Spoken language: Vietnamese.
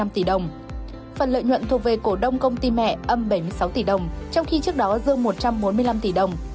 một trăm linh năm tỷ đồng phần lợi nhuận thuộc về cổ đông công ty mẹ âm bảy mươi sáu tỷ đồng trong khi trước đó dương một trăm bốn mươi năm tỷ đồng